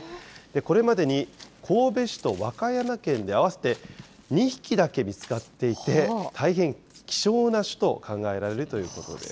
これまでに神戸市と和歌山県で、合わせて２匹だけ見つかっていて、大変希少な種と考えられるということです。